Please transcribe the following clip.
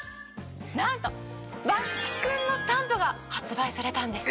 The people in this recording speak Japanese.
なんとバッシュくんのスタンプが発売されたんです。